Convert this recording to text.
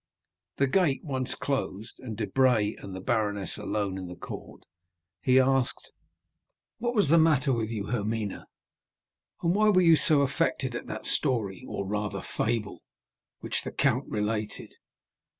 The gate once closed, and Debray and the baroness alone in the court, he asked: "What was the matter with you, Hermine? and why were you so affected at that story, or rather fable, which the count related?"